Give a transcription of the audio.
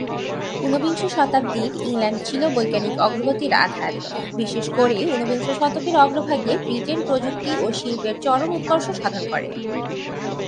ঊনবিংশ শতাব্দীর ইংল্যান্ড ছিল বৈজ্ঞানিক অগ্রগতির আধার; বিশেষ করে ঊনবিংশ শতকের অগ্রভাগে ব্রিটেন প্রযুক্তি ও শিল্পে চরম উৎকর্ষ সাধন করে।